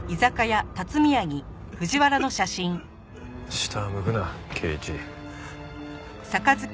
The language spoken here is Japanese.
下を向くな圭市。